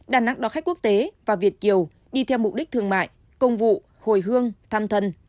đà nẵng đón khách quốc tế và việt kiều đi theo mục đích thương mại công vụ hồi hương thăm thân